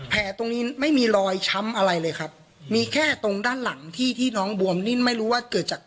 ตรงนี้ไม่มีรอยช้ำอะไรเลยครับมีแค่ตรงด้านหลังที่ที่น้องบวมนิ่นไม่รู้ว่าเกิดจาก